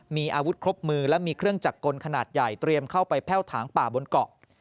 มีอาวุธครบมือและมีเครื่องจักรกลขนาดใหญ่เตรียมเข้าไปแพ่วถางป่าบนเกาะ